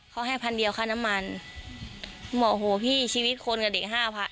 เขาให้พันเดียวค่าน้ำมันบอกโหพี่ชีวิตคนกับเด็กห้าพัน